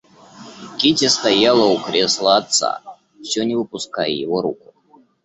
Кити стояла у кресла отца, всё не выпуская его руку.